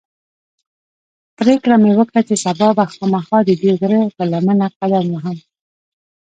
پرېکړه مې وکړه چې سبا به خامخا ددې غره پر لمنه قدم وهم.